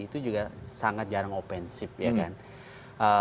itu juga sangat jarang offensive